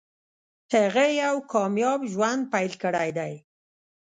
هغه یو کامیاب ژوند پیل کړی دی